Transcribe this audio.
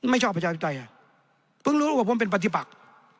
ชอบประชาธิปไตยเพิ่งรู้ว่าผมเป็นปฏิบัติ